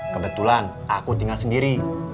kebetulan aku tinggal sendiri